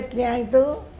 jadi isi sama kulit